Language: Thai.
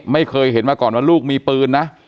ไม่เคยเห็นมาก่อนว่าลูกมีปืนนะ